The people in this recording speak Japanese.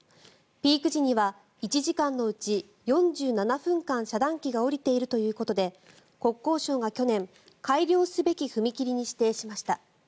ピーク時には１時間のうち４７分間遮断機が下りているということで国交省が去年、改良すべき踏切に指定しました。